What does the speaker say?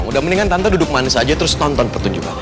udah mendingan tante duduk manis aja terus tonton pertunjukannya